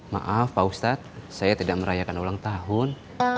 maaf pak ustadz saya tidak merayakan ulang tahun